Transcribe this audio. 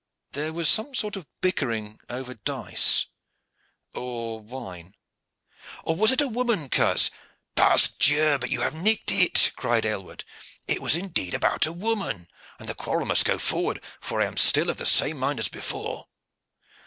There was some sort of bickering over dice, or wine, or was it a woman, coz?" "Pasques Dieu! but you have nicked it," cried Aylward. "It was indeed about a woman; and the quarrel must go forward, for I am still of the same mind as before."